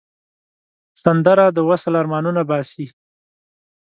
سندره د وصل آرمانونه باسي